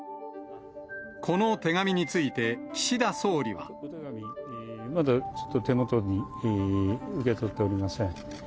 この手紙について、岸田総理まだちょっと手元に受け取っておりません。